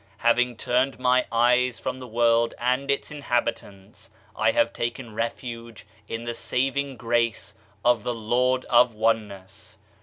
Having turned my eyes from the world and its inhabitants, I have taken refuge in the saving grace of the Lord of oneness.